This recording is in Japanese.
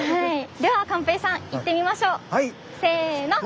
では寛平さん行ってみましょう！